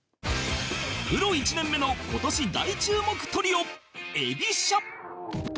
プロ１年目の今年大注目トリオえびしゃ